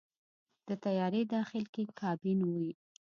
د طیارې داخل کې کابین وي.